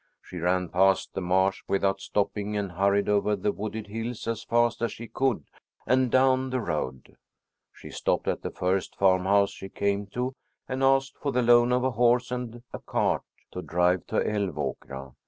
She ran past the marsh without stopping and hurried over the wooded hills as fast as she could and down the road. She stopped at the first farmhouse she came to and asked for the loan of a horse and car to drive to Älvåkra.